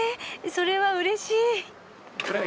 それはうれしい！